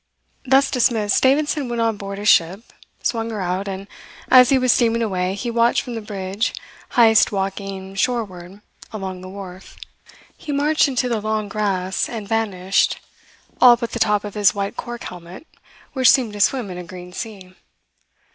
Thus dismissed, Davidson went on board his ship, swung her out, and as he was steaming away he watched from the bridge Heyst walking shoreward along the wharf. He marched into the long grass and vanished all but the top of his white cork helmet, which seemed to swim in a green sea.